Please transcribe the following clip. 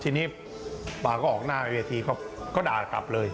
ทีนี้ป่าก็ออกหน้าเวทีเขาก็ด่ากลับเลย